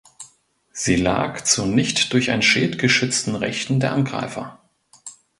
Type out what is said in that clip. Sie lag zur nicht durch ein Schild geschützten Rechten der Angreifer.